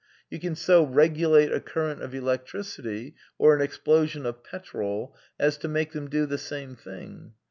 You can so regulate a current of electricity or an explosion of petrol as to make them do the same thing.